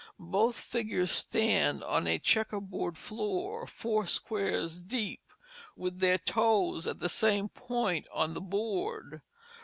Both figures stand on a checker board floor, four squares deep, with their toes at the same point on the board.